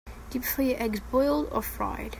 Do you prefer your eggs boiled or fried?